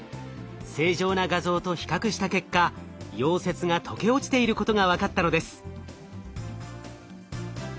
正常な画像と比較した結果溶接が溶け落ちていることが分かったのです。